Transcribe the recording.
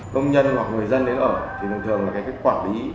công nhân hoặc người dân đến ở thì thường thường là cái quản lý